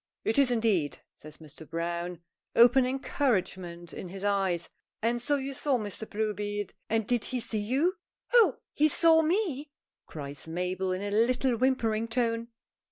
"It is, indeed!" says Mr. Browne, open encouragement in his eye. "And so you saw Mr. Bluebeard! And did he see you?" "Oh! he saw me!" cries Mabel, in a little whimpering' tone.